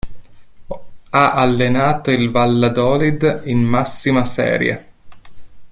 Ha allenato il Valladolid in massima serie.